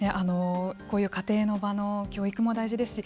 こういう家庭の場の教育も大事ですし